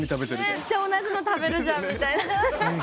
めっちゃ同じの食べるじゃんみたいな。